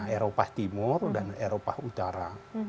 eropah timur dan eropah utara